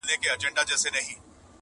ماته مي شناختو د شهید پلټن کیسه کړې ده!!